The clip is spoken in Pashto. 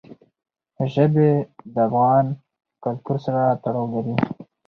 ژبې د افغان کلتور سره تړاو لري.